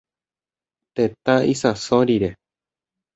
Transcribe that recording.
Tetã isãso rire.